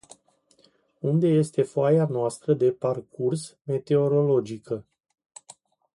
Unde este foaia noastră de parcurs meteorologică?